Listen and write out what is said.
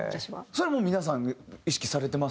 それもう皆さん意識されてますか？